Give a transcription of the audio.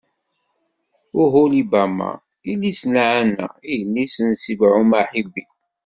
Uhulibama, yelli-s n Ɛana, yelli-s n Ṣibɛun Aḥibi.